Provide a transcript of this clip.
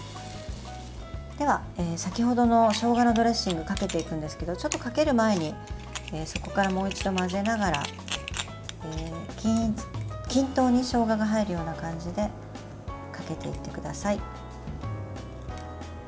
では、先程のしょうがのドレッシングかけていくんですけれどもかける前に、もう一度混ぜながら均等にしょうがが入るような感じでかけていってください。